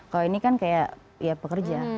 kalau ini kan kayak ya pekerja